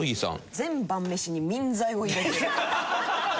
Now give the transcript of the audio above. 全晩飯に眠剤を入れる。